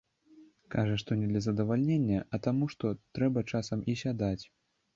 Кажа, што не для задавальнення, а таму, што трэба часам і сядаць.